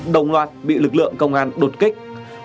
đồng loạt bị lực lượng công an đột kích